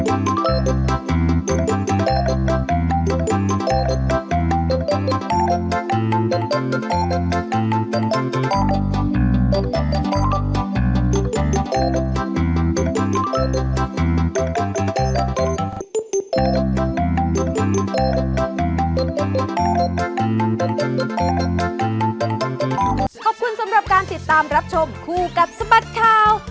ตอนนี้้ที่ขอบคุณสำหรับการติดตามรับชมครูกับสะบัดข่าว